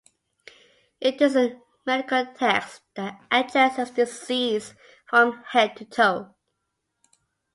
It is a medical text that addresses disease from head-to-toe.